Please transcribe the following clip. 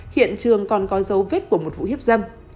hiện trường còn có dấu vết của một vụ hiếp dâm